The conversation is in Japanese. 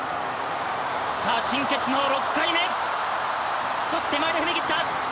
陳ケツの６回目、少し手前で踏み切った。